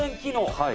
はい。